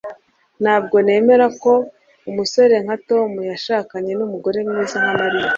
Ntabwo nemera ko umusore nka Tom yashakanye numugore mwiza nka Mariya